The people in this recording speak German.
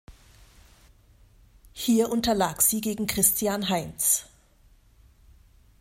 Hier unterlag sie gegen Christian Heinz.